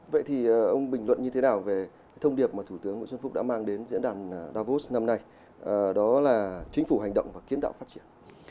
vậy thì ông bình luận như thế nào về thông điệp mà thủ tướng nguyễn xuân phúc đã mang đến diễn đàn davos năm nay đó là chính phủ hành động và kiến tạo phát triển